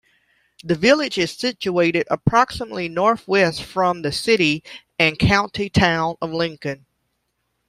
The village is situated approximately north-west from the city and county town of Lincoln.